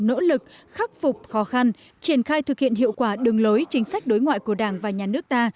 nỗ lực khắc phục khó khăn triển khai thực hiện hiệu quả đường lối chính sách đối ngoại của đảng và nhà nước ta